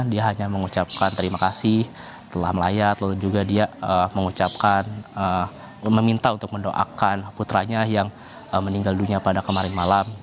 dia hanya mengucapkan terima kasih telah melayat lalu juga dia mengucapkan meminta untuk mendoakan putranya yang meninggal dunia pada kemarin malam